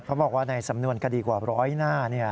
บอกว่าในสำนวนคดีกว่าร้อยหน้า